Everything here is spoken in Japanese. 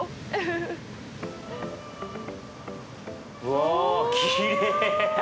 わあきれい。